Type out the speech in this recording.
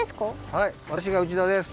はいわたしが内田です。